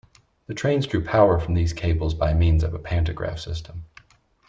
The trains drew power from these cables by means of a pantograph system.